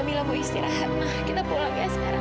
kamila mau istirahat ma kita pulang ya sekarang